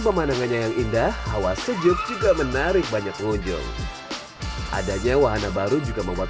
pemandangannya yang indah hawa sejuk juga menarik banyak pengunjung adanya wahana baru juga membuat